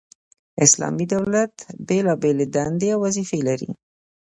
اسلامي دولت بيلابېلي دندي او وظيفي لري،